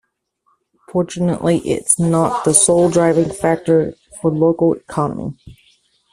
Fortunately its not the sole driving factor of the local economy.